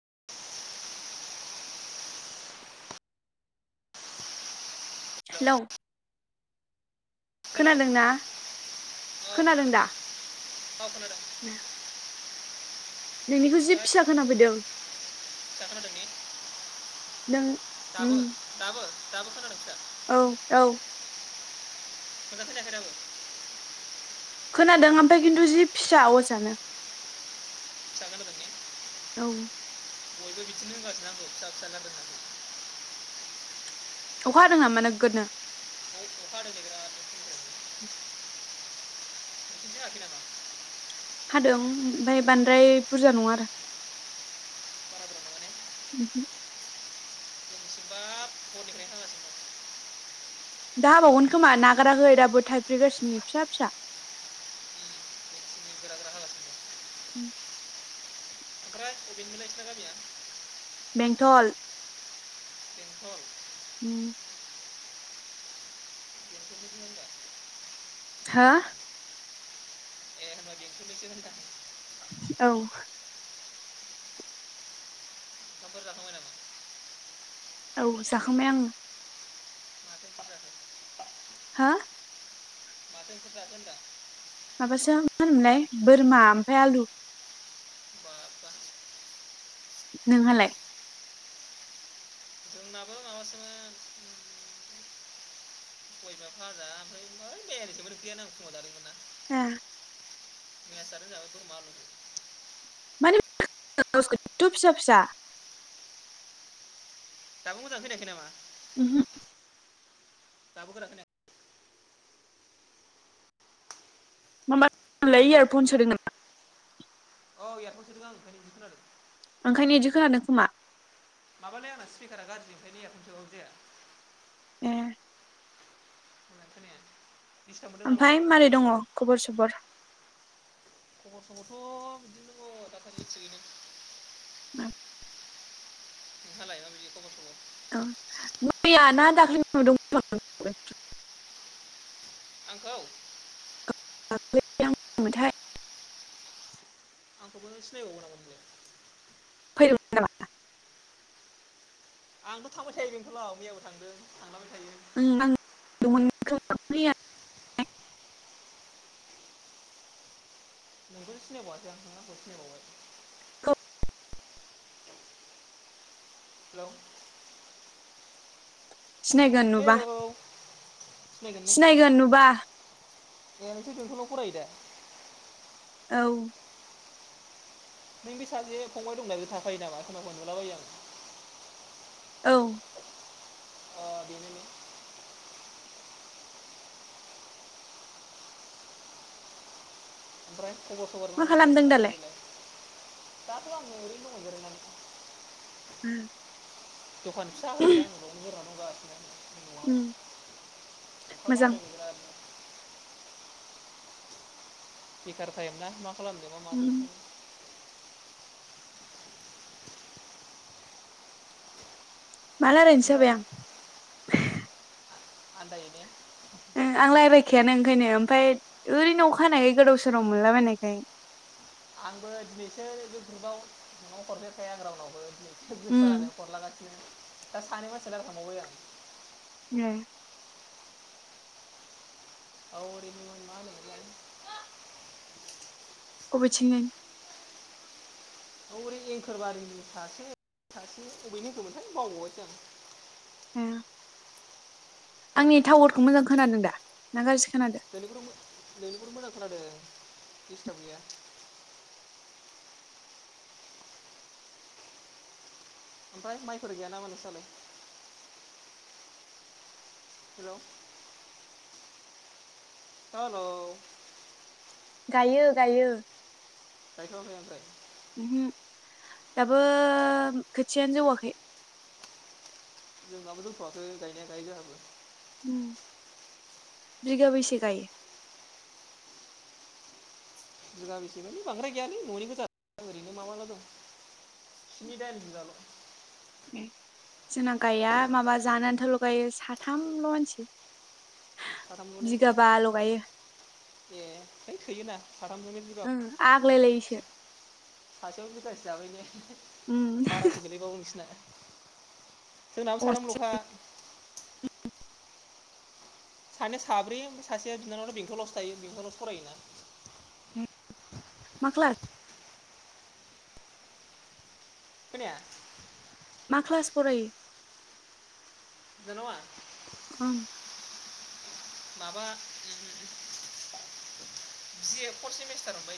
[inaudible] Hello hello खोनादोंना खोनादों दा? औ खोनादों उम नोंनिखौ जि ओमफ्राय फिसा खोनाफैदों। फिसा खोनादों ने नों उम दाबो दाबो? दाबो खोनादों फिसा? औ औ मोजाङै खोनायाखै दाबो? खोनादों ओमफ्राय खिन्थु जि फिसा आवाजानो। फिसा खोनादों ने? औ बयबो बिदिनो होनलाजोबदों आंखौ फिसा फिसा खोनादों होनना। अखा हादों नामा नोगोदनो? अखा हादों नै बिरादनो। नोंसिनिथिं हायाखैनामा? हादों। ओमफफ्राय बांद्राय बुरजा नङा आरो। बारा बुरजा नङा ने उम हो बाब हरनिफ्रायनो हागासिनो दं। दा हाबावगोन खोमा नागाराखै दाबो थाइफ्रिगासिनो फिसा फिसा। उम जोंनिथिं गोरा गोरा हागासिनो उम फ्राय अबेनिमोनलाय नों सिना गामिया? बेंथल बेंथल उम बेंथलनिसो नों ओमबा हा ए होमबा बेंथलनिसो होनदां। औ ओंखामफोर जाखांबाय नामा? औ जाखांबाय आङो। माथो ओंख्रि जाखो? हा माथो ओंख्रि जाखो होनदां? माबासो मा होनोमोनलाय बोरमा ओमफ्राय आलु। बा बा नोंहालाय? जोंनाबो माबासोमोन सबाय बिमा फाजा ओमफ्राय है मैयानिसोमोन ओंख्रियानो आं फुङाव जादोंमोनना। ए मैयासो जादों जोंहाबो बोरमा आलु। [unintelligible] थ फिसा फिसा दाबो मोजाङै खोनायाखै नामा? उम हो दाबो [unintelligible] खोनायाखै? मामबार [unintelligible] लाय हेलौ इयार फन सोदों नामा? अ' इयार फन सोदों आं ओंखायनो इदि खोनादों। ओंखायनो इदि खानादों खोमा? माबालै आंना स्पिकारा गाज्रि ओंखायनो इयार फन सोबाबो जाया। ए मोजां खोनाया। दिस्टार्ब मोनदों नामा ओमफाय एसे मारै दङ खबर सबर? खबर सबरथ' बिदिनो दङ दासान्दि थिगैनो। उम नोंहालाय माबायदि खबर सबर? दं‌, मैया ना दाख्लै नुदोंमोनथ' आं नों [unintelligible] आंखौ? [unintelligible] थाय आंखौबो सिनाय बावो नामा नोंलाय? फैदोंमोन नामा? आंथ' थांबाय थायो बेंथलाव मैयाबो थांदों थांलाबाय थायो। उम आं [unintelligible] नोंखौसो सिनायबावासै आं, नों आंखौ सिनायबावबाय। खोब [unintelligible] हेलौ सिनायगोन नुबा हेलौ सिनायगोन ने? सिनायगोन नुबा नोंथ' बेंथलाव फरायो दा? औ नों बि सासे फंबाय दंनायजों थाफायो नामा? एखमबा लोगो मोनबोलाबायो आं। औ अ ओमफ्राय खबर-सबर मा माबोरै दा खालामदों दालाय सान्दिलाय? दाथ' आं ओरैनो दङ जिरायनानै। उम द'खान फिसा होयो ना आं न'आवनो [unintelligible] न'आव। अखाबो मोजां हादों बिराद बेखार थायोमोनना मा खालामनो मा मानो उम मा रायलायनोसो ओमफ्राय जाबाय आं आन्दायो ने? ओ आं रायलायखायानो ओंखायनो ओमफाय ओरैनो अखा हानायखाय गोदाव-सोराव मोनला बायनायखाय आंबो दिनैसो बे ग्रुपाव नङाबा हरफेरखाया आं रावनावबो। गोसो उम जानानै‌ हरलागासिनो। दा सानै मानसिजों रायलाय खांबावबाय आं। ए। औ औरैनि मा होनोलाय अबिथिं जायनि औ ओरै एंखोरबारिनि सासे सासे अबेनि होनदोंमोनथाय बावबावसै आं ओम‌ आंनि टावारखौ मोजां खोनादों दा ना गाज्रि खोनादों नोंनिखौथ' नोंनिखौथ मोजां खोनादों दिसथाब गैया ओमफ्राय माइफोर गैया नामा नोंसोरा लाय हेल' हेल' गायो- गायो गायथ'आखै आमफ्राय उमहो दाबो खोथियानो जौवाखै जोंनाबो‌ जौथ'वाखै गायनाया गायो जोंहाबो बिगा बैसे गायो बिगा बेसेब बांद्राय गैयालै न'नि गोजा ओरैनो माबाल' दं स्नि- दाइन बिुगाल' उ जोनां गया माबा जानानै आथाल' गायो साथामल' मानसि साथामबो ने बिगाबाल' गायो ए हैै थोयोना। साथामजोंनो बिगा- आगलाय लायो सो। सासेयाव बिगासे जाबाय ने। उम बारासो गोलैबावो नोंसिना। जोंनाबो साथाम असे ल'खा। सानै साब्रै ओमफ्राय सासेया बिनानावा बेंथलावसो थायो बेंथलावसो फरायोना। मा कलास खोनाया मा क्लास फरायो? बिनानावा? उम माबा बे फर्थ सेमिस्टाराव मोनबाय।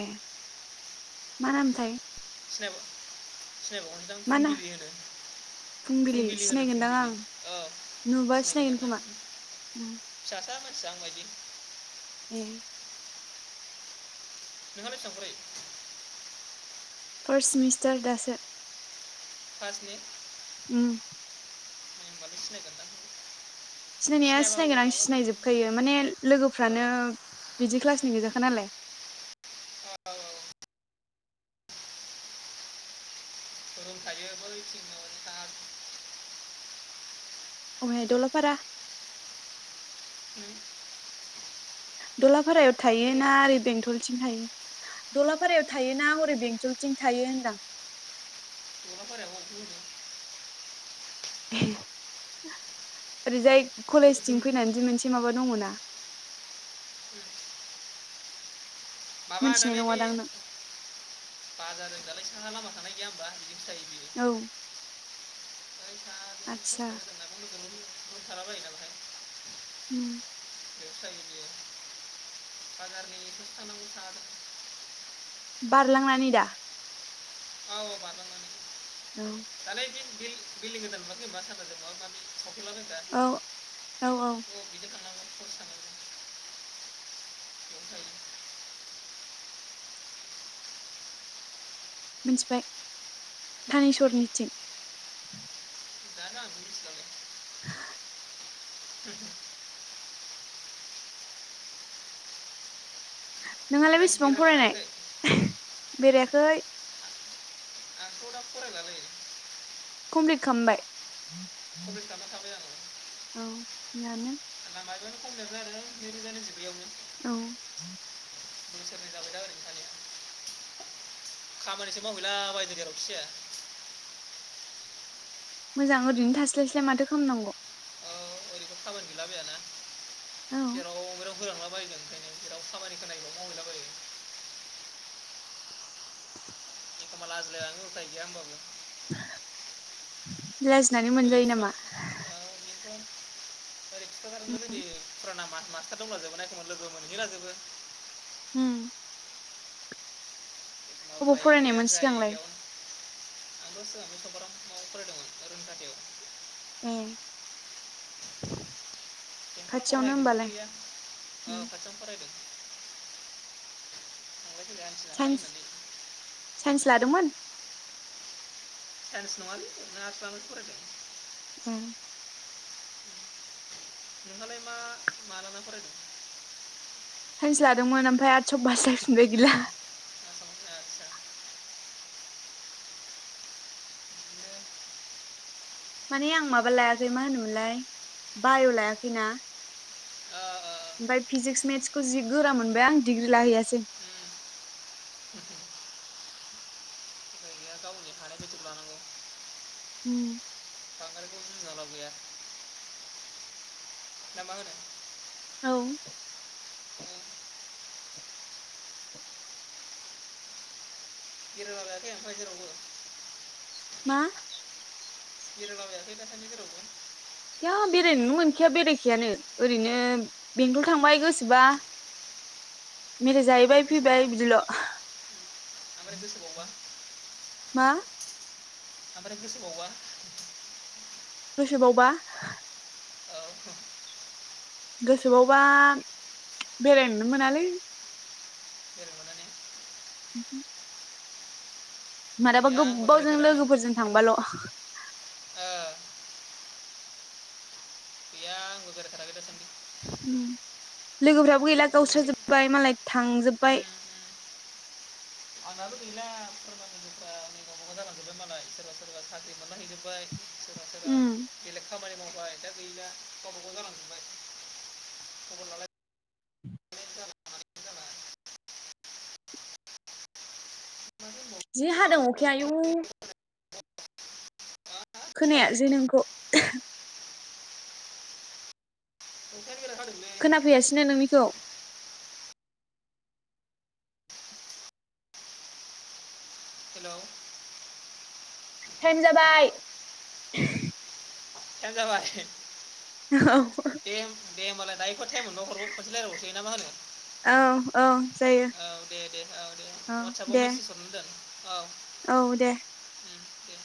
ए मा नामथाय? सनेहा बर'। सिनायबावगोन सो दां मा ना फुंबिलि होनो फुंबिलि होनो सिनायगोनदां फुंबिलि आं औ नुबा सिनायगोन दां ना खोमा उम फिसा। फिसा‌ मानसिया आं बायदि। ए। नोंहालाय बेसेबां फरायो? फार्स्ट सेमिस्टार दासो। फास ने? उम ए होनबालाय सिनायगोन दां? सिनायनाया सिनायगोन आं सिनायजोबखायो माने औ लोगोफ्रानो बिदि क्लासनि गोैजाखा नालाय। औ औ गरम [unintelligible] अहाय दलपारा। उम दला फारायाव- थायो ना ओरै बेंथलथिं थायो? दलाफारायाव थायोना हरै बेंटलथिं थायो होनदां? दलाफाराया [unintelligible] [unintelligible] ओरैजाय। कलेजथिं जों फैनानै जे मोनसे- माबा दङ ना। माबा मोनथिनाय दालाय बे नङादां नों बाजारजों दालाय। लामा थांनाय गैया होनोमबा बिथिं थायो। औ आदसा ओमफ्राय [unintelligible] थाला बायोना बेहाय। उम बेयावसो थायो बियो बाजारनि ससे थांनांगौ साहाजों। बारलांनानै दा। औ बारलांनानै। औ दालाय बे। बिल बिल्डिं गोदान लुवाखै होनबा सानजाजों मा माने औ औ औ। बिजों थांनांगौ ससे थांनांगौ बेयावनो थायो। मोनथिबाय। मिथिबायनि धानेशवरनिथिं। [inaudible] [inaudible] नोंहालाय ओमफ्राय बेसेबां फरायनाय। बेरायलाबायाखै बेरायाखै। आंथ' दा फरायलालै। खमफ्लिथ खालामबाय। खमफ्लिथ खालामना थाबाय आं। औ मोजाङानो माबायावनो खमफ्लेर जादों नैरोजा नैजिब्रैयावनो। औ। बोसोरनै जाबाय दा ओरैनो थानाया खामानिसो मावहैला बायो जेरावखि जाया। मोजां ओरैनो थास्लायस्लाय माथो खालामनांगौ। ओ [inaudible] जेराव मेराव औ होलांला बायगोन ओंखायनो जेराव खामानिखौ नायना मावहैला बायो। एखमबा लाजिलाय लाङो उफाय गैया होमबाबो। [unintelligible] लाजिनानै मोनजायो नामा? [unintelligible] [unintelligible] मास्टार दंलाजोबोना एखमबा लोगो मोनहैलाजोबो। होम। एखमबा अबाव उफाय गैया फरायनायमोन जायै सिगांलाय? गैयावनो [unintelligible] उम [unintelligible] बेंथलाव फरायनो खाथियावनो नागिरदोंमोन होमबालाय गैया औ उम खाथियावनो फरायदों। [unintelligible] साइन्स होननानै साइन्स लादोंमोन? साइन्स नङालै ओरैनो आर्टस लानासो फरायदों। उम। नोंहालाय मा मा लाना फरायदों? साइन्स लादोंमोन ओमफ्राय आर्टसाव बासलायफिन आ आ [unintelligible] बिदिनो माने आं माबा लायाखै मा होनोमोनलाय बाय' लायाखैना। ओं ओमफ्राय फिजिक्स मेथ्सखौ जि गोरा मोनबाय आं डिग्रि लाहैयासै। उम [unintelligible] उफाय गावनि हानाय बादिखौ लानांगौ। होम बांद्रायखौ जुजिना लाब गैया [unintelligible] ना मा होनो? औ ओ बेरायला बायाखै ओमफ्राय जेरावबो? मा? बेरायलाबायाखै दासान्दि जेरावबो? गैया बेरायनोनो मोनखाया बेरायखायानो ओरैनो बेंथल थांबाय गोसोबा। मेथाइ जाहैबाय गोसोबा फैबाय बिदिल'। ओमफ्राय गोसोबावबा मा? ओमफ्राय गोसोबावबा? गोसोबावबा? औ। गोसोबावबा बेरायनोनो मोनालै। बेरायनो मोननानै मालाबा गैया आंबो गोब्बावजों लोगोफोरजों थांबाल'। ओं बेैया आंगोगखार गै दासान्दि [unintelligible] ओम लोगोफ्रा गैला गावस्र बिदिनोसै जोबबाय मालाय थांजोबबाय आंहाबो गैला फुराना लोगोफोरा गावबा गाव जालां जोब्बाय मालाय सोरबा सोरबा साख्रि मोनला हैैजोब्बाय सोरबा सोरबा उम बेलेख खामानि बा दा गैला गावबा गाव जालांजोबबाय खबर लालाय मा होनबावो जे हादों गावबा आखाया आयौ गाव जादों अखायानो खोनायासै नोंखौ बिराद हादोंलै खोनाफैयासैनो नोंनिखौ हेलौ टाइम जाबाय थाइम जाबाय औ दे दे होनोमालाय दाहाय टाइम मोनबार खनसे रायलायबावसो ना मा होनो औ औ जायो औ दे दे औ दे औ वाट्सएपाव दे मेसेज हरनो दोन औ औ दे उम, दे